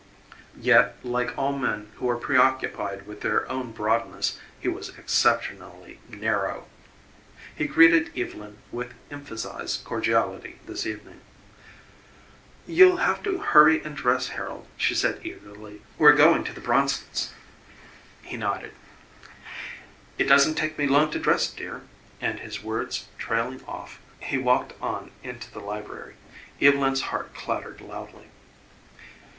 Yet, like all men who are preoccupied with their own broadness, he was exceptionally narrow. He greeted Evylyn with emphasized cordiality this evening. "You'll have to hurry and dress, Harold," she said eagerly; "we're going to the Bronsons'." He nodded. "It doesn't take me long to dress, dear," and, his words trailing off, he walked on into the library. Evylyn's heart clattered loudly.